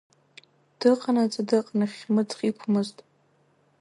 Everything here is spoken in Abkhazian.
Дыҟанаҵы, дыҟан, хьмыӡӷ иқәмызт.